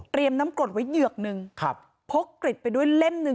เตรียมน้ำกรดไว้เหยือกหนึ่งพกกริดไปด้วยเล่มหนึ่ง